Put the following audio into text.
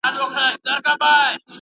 سرپوښ لرونکي لوښي د خوړو لپاره وکاروئ.